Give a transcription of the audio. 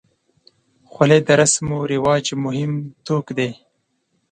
خولۍ د رسم و رواج مهم توک دی.